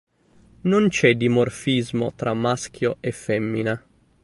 Non c'è dimorfismo tra maschio e femmina.